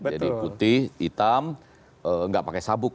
jadi putih hitam enggak pakai sabuk